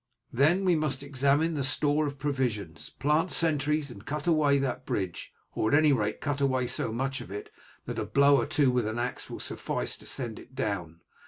Then we must examine the store of provisions, plant sentries and cut away that bridge, or, at any rate, cut away so much of it that a blow or two with an axe will suffice to send it down.